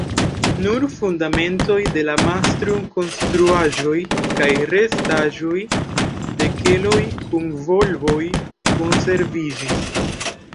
Nur fundamentoj de la mastrum-konstruaĵoj kaj restaĵoj de keloj kun volboj konserviĝis.